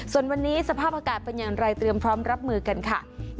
ส่วนวันนี้สภาพอากาศเป็นอย่างไรเตรียมพร้อมรับมือกันค่ะ